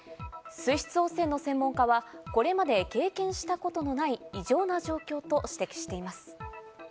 水質汚染の専門家は、これまで経験したことのない異常な状況と指摘しています。